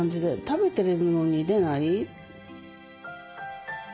食べてるのに出ない。